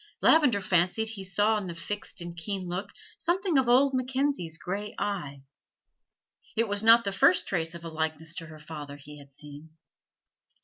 Lavender fancied he saw in the fixed and keen look something of old Mackenzie's gray eye: it was not the first trace of a likeness to her father he had seen.